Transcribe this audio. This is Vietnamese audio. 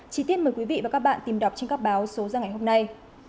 chí tiết mời quý vị và các bạn tìm đọc trên các báo số ra ngày hôm nay